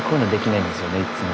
いっつも。